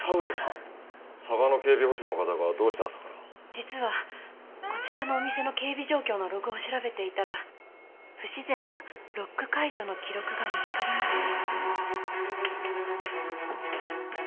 実はこちらのお店の警備状況のログを調べていたら不自然なロック解除の記録が見つかりまして。